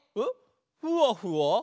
ふわふわ？